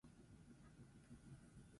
Bere lehen lanetan influentzia nabaria dute.